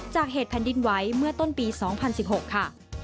จากเหตุแผ่นดินไหวเมื่อต้นปี๒๐๑๖ค่ะ